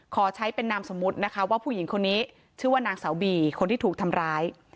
ขอใช้เป็นนามสมมุตินะคะว่าผู้หญิงคนนี้ชื่อว่านางสาวบีคนที่ถูกทำร้าย